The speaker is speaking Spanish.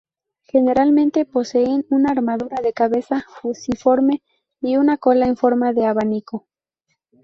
Generalmente poseen una armadura de cabeza fusiforme y una cola en forma de abanico.